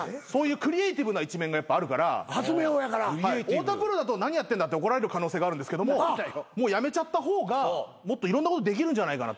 太田プロだと「何やってんだ」って怒られる可能性があるんですけどもう辞めちゃった方がもっといろんなことできるんじゃないかなっていう。